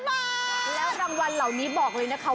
มาแล้วรางวัลเหล่านี้บอกเลยนะคะ